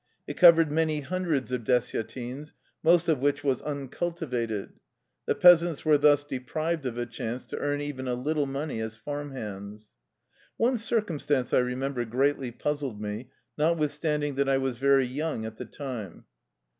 It covered many hundreds of dessiatines, most of which was uncultivated. The peasants were thus de prived of a chance to earn even a little money as farm hands. One circumstance, I remember, greatly puz zled me, notwithstanding that I was very young at the time.